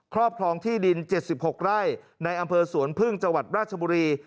ครอบครองที่ดิน๗๖ไร่ในอำเภอสวนพึ่งจังหวัดราชบุรี